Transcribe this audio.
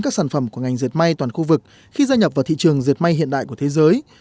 các sản phẩm của ngành diệt may toàn khu vực khi gia nhập vào thị trường diệt may hiện đại của thế giới